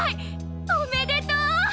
おめでとう！